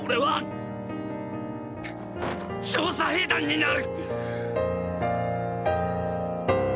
調査兵団になる！